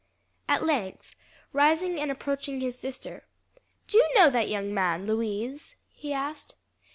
At length, rising and approaching his sister, "Do you know that young man, Louise?" he asked.